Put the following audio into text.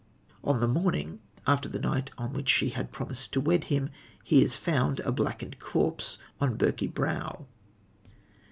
On the morning, after the night on which she had promised to wed him, he is found, a blackened corpse, on Birky Brow.